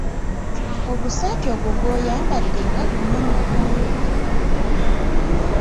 Ogusaati ogwo gw'oyambadde nga gunene nnyo?